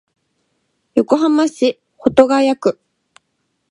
横浜市保土ケ谷区